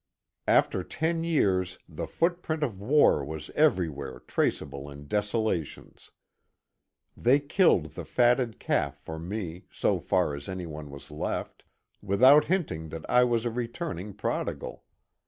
After ten years the footprint of war was everywhere traceable in desolations. They killed the fatted calf for me, so far as any was left, without hinting that I was a returning prodigal.